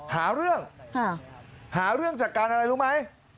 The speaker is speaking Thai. หาเรื่องหาเรื่องจากการอะไรรู้ไหม